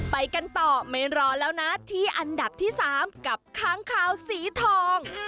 ไปกันต่อไม่รอแล้วนะที่อันดับที่๓กับค้างคาวสีทอง